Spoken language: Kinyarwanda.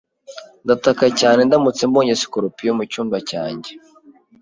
Ndataka cyane ndamutse mbonye sikorupiyo mucyumba cyanjye.